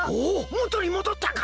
もとにもどったか！？